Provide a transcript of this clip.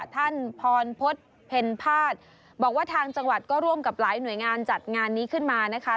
ท่านพรพฤษเพ็ญภาษบอกว่าทางจังหวัดก็ร่วมกับหลายหน่วยงานจัดงานนี้ขึ้นมานะคะ